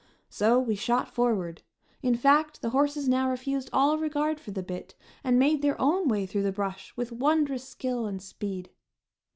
So we shot forward. In fact, the horses now refused all regard for the bit, and made their own way through the brush with wondrous skill and speed.